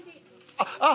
あっあっ！